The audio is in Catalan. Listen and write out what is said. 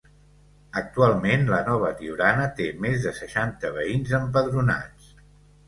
Actualment la nova Tiurana té més de seixanta veïns empadronats.